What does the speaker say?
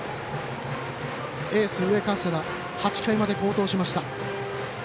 エース上加世田８回まで好投しました。